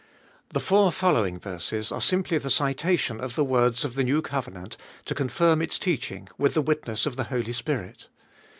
The four following verses are simply the citation of the words of the new covenant to confirm its teaching with the witness of the Holy Spirit.